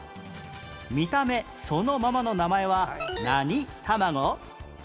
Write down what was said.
見た目そのままの名前は何たまご？